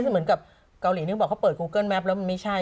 เหมือนกับเกาหลีนึงบอกเขาเปิดกูเกิ้ลแป๊บแล้วมันไม่ใช่